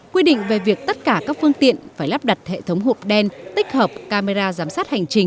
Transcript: quy định về việc tất cả các phương tiện phải lắp đặt hệ thống hộp đen tích hợp camera giám sát hành trình